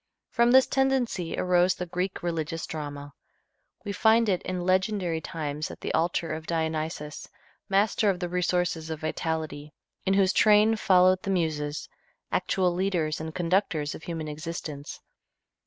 From this tendency arose the Greek religious drama. We find it in legendary times at the altar of Dionysus, master of the resources of vitality, in whose train followed the Muses, actual leaders and conductors of human existence.